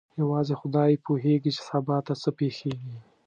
یوازې خدای پوهېږي چې سبا ته څه پېښیږي.